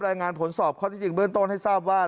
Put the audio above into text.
รายงานผลสอบข้อที่จริงเบื้องต้นให้ทราบว่า